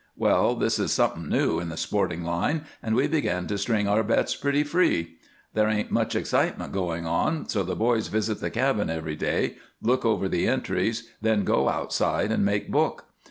Well, this is something new in the sporting line, and we begin to string our bets pretty free. There ain't much excitement going on, so the boys visit the cabin every day, look over the entries, then go outside and make book.